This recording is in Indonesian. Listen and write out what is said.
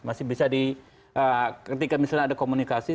masih bisa di ketika misalnya ada komunikasi